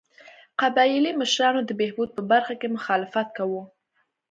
قبایلي مشرانو د بهبود په برخه کې مخالفت کاوه.